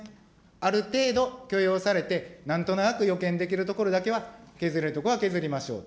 ある程度、許容されて、なんとなく予見できるところだけは、削るところは削りましょうと。